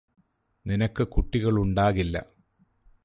നിനക്ക് കുട്ടികളുണ്ടാകില്ല